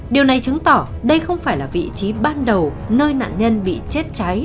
điều này chứng tỏ đây không phải là vị trí ban đầu nơi nạn nhân bị chết cháy